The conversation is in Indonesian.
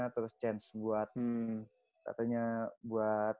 terus chance buat katanya buat lebih baik lah di jakarta